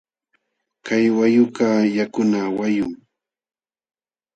Kay wayqukaq yakuna wayqum.